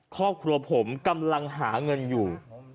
ครอบครัวผมกำลังหาเงินอยู่